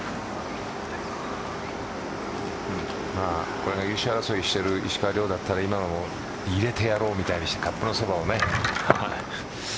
これが優勝争いしている石川遼だったら今の入れてやろうみたいにカップのそばをね